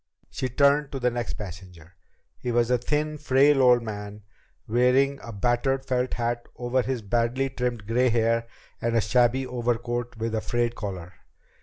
She turned to the next passenger. He was a thin, frail old man, wearing a battered felt hat over his badly trimmed gray hair and a shabby overcoat with a frayed collar.